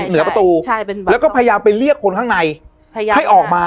เหนือประตูแล้วก็พยายามไปเรียกคนข้างในพยายามให้ออกมา